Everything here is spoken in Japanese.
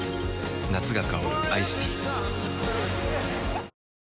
夏が香るアイスティー男性）